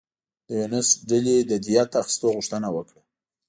د یونس ډلې د دیه اخیستو غوښتنه وکړه.